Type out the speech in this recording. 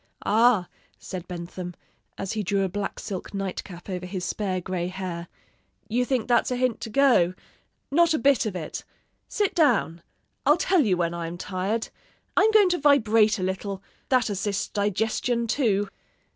'Ah!' said Bentham, as he drew a black silk night cap over his spare gray hair, 'you think that's a hint to go. Not a bit of it. Sit down! I'll tell you when I am tired. I'm going to vibrate a little; that assists digestion, too.'